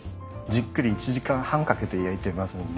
じっくり１時間半かけて焼いてますので。